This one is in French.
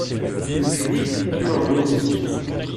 Et puis, tu m’ennuies !